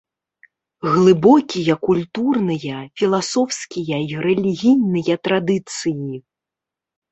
Глыбокія культурныя, філасофскія і рэлігійныя традыцыі.